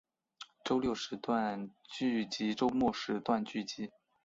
周六时段剧集周末时段剧集